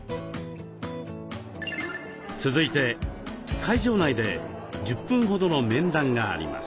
続いて会場内で１０分ほどの面談があります。